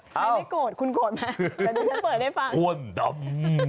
คุณสงสัยโกรธไหม